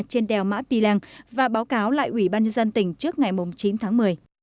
trên đèo mã pì lèng và báo cáo lại ubnd tỉnh trước ngày chín tháng một mươi